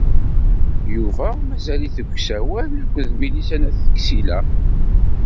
Yuba mazal-it deg usawal akked Milisa n At Ksila.